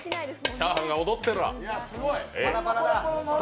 チャーハンが踊ってら。